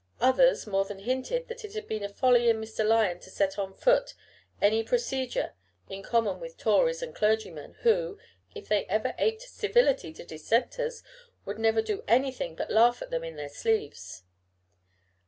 Others more than hinted that it had been a folly in Mr. Lyon to set on foot any procedure in common with Tories and clergymen, who, if they ever aped civility to Dissenters, would never do anything but laugh at them in their sleeves.